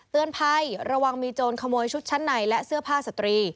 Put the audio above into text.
เตือนภัยระวังมีโจรขโมยชุดชั้นในและเสื้อผ้าสตรี